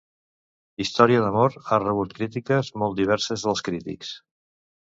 "Història d'amor" ha rebut crítiques molt diverses dels crítics.